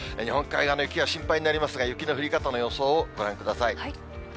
日本海側の雪が心配になりますが、雪の降り方の予想をご覧ください。